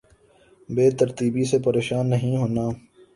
بے ترتیبی سے پریشان نہیں ہوتا